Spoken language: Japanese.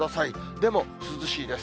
でも、涼しいです。